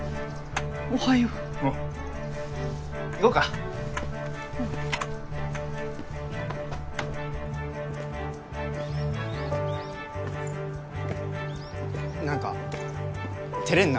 おはようおう行こうかうん何か照れんな